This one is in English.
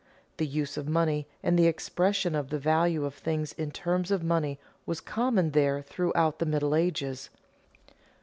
The use of money and the expression of the value of things in terms of money was common there throughout the Middle Ages.